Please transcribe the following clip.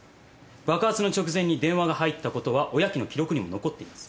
爆発の直前に電話が入ったことは親機の記録にも残っています。